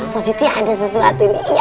positi ada sesuatu ini